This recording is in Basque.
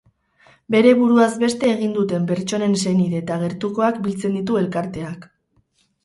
Bere buruaz beste egin duten pertsonen senide eta gertukoak biltzen ditu elkarteak.